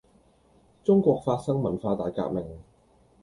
中國發生文化大革命